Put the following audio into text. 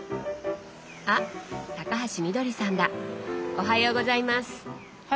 おはようございます。